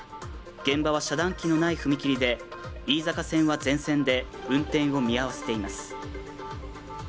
現場は遮断機のない踏切で飯坂線は全線で運転を見合わせています